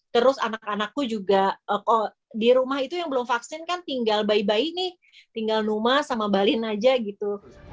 terus anak anakku juga di rumah itu yang belum vaksin kan tinggal bayi bayi nih tinggal numa sama balin aja gitu